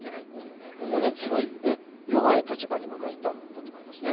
すごい弱い立場に僕はいたんだと思いますね。